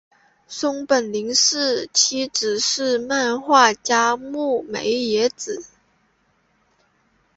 松本零士妻子是漫画家牧美也子。